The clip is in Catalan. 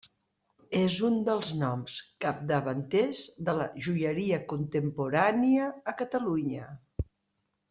És un dels noms capdavanters de la joieria contemporània a Catalunya.